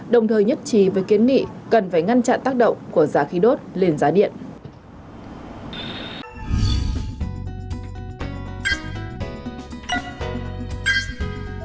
đồng thời nhất trí với kiến nghị cần phải ngăn chặn tác động của giá khí đốt lên giá điện